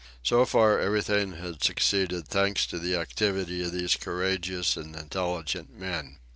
So far, everything had succeeded, thanks to the activity of these courageous and intelligent men.